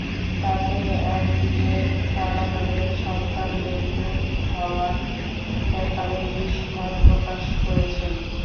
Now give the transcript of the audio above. তাতে একদিকে তাঁরা তাঁদের সন্তানদের জঙ্গি হওয়ার ব্যাপারে বিস্ময় প্রকাশ করেছেন।